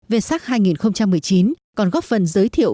vê sắc hai nghìn một mươi chín còn góp phần giới thiệu